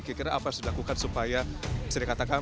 kira kira apa yang harus dilakukan supaya bisa dikatakan